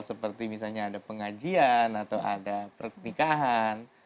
seperti misalnya ada pengajian atau ada pernikahan